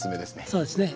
そうですね。